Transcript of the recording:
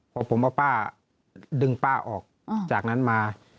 พอผมเอาป้าดึงป้าออกจากนั้นมา